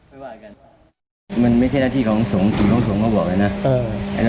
มันไม่ใช่หน้าที่ของสงฆ์จิตของสงฆ์เขาบอกแล้วนะ